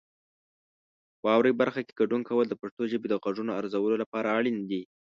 واورئ برخه کې ګډون کول د پښتو ژبې د غږونو ارزولو لپاره اړین دي.